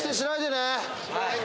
はい。